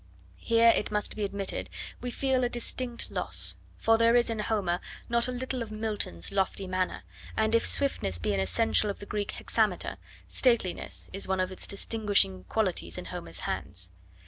Here, it must be admitted, we feel a distinct loss, for there is in Homer not a little of Milton's lofty manner, and if swiftness be an essential of the Greek hexameter, stateliness is one of its distinguishing qualities in Homer's hands.